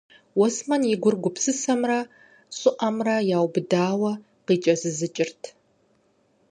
Уэсмэн и гур гупсысэмрэ щӀыӀэмрэ яубыдауэ къикӀэзызыкӀырт.